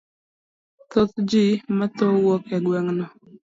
Thoth ji ma tho wuok e gweng' no.